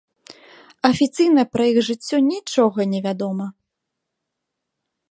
Афіцыйна пра іх жыццё нічога невядома.